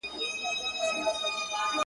د ښكلي سولي يوه غوښتنه وكړو.